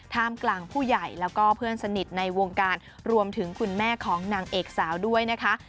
กลางผู้ใหญ่แล้วก็เพื่อนสนิทในวงการรวมถึงคุณแม่ของนางเอกสาวด้วยนะคะ